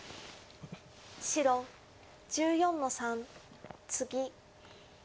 白１４の三ツギ。